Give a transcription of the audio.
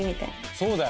そうだよ。